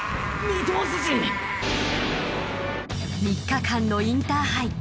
３日間のインターハイ